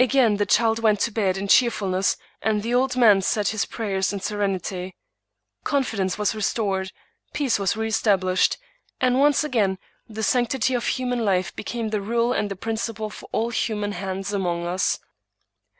Again the child went to bed in cheerfulness, and the old man said his prayers in serenity. Confidence was restored ; peace was reestablished; and once again the sanctity of human life became the rule and the principle for all human hands among us.